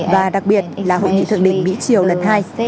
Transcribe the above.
và đặc biệt là hội nghị thượng đỉnh mỹ triều lần hai